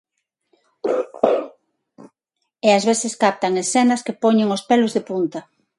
E ás veces captan escenas que poñen os pelos de punta.